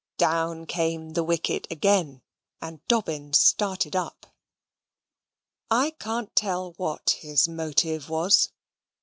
Down came the wicket again; and Dobbin started up. I can't tell what his motive was.